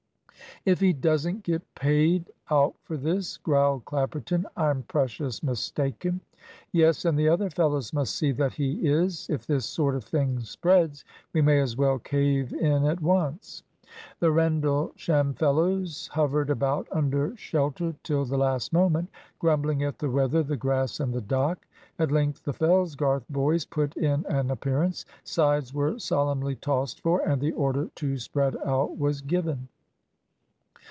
"If he doesn't get paid out for this," growled Clapperton, "I'm precious mistaken." "Yes; and the other fellows must see that he is. If this sort of thing spreads, we may as well cave in at once." The Rendlesham fellows hovered about under shelter till the last moment, grumbling at the weather, the grass, and the dock. At length the Fellsgarth boys put in an appearance; sides were solemnly tossed for, and the order to "spread out" was given.